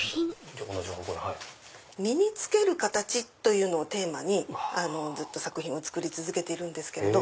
「身に着ける形」というのをテーマに作品を作り続けてるんですけど。